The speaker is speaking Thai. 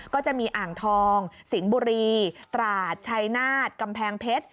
ก็จะมีอ่างทองสิงห์บุรีตราดชัยนาฏกำแพงเพชร